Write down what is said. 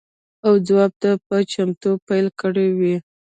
او ځواب ته په چتموالي پیل کړی وي.